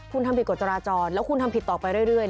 คุณทำผิดกฎจราจรแล้วคุณทำผิดต่อไปเรื่อย